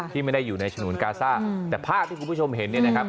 ที่ไม่ได้อยู่ในฉนวนกาซ่าแต่ภาพที่คุณผู้ชมเห็นเนี่ยนะครับ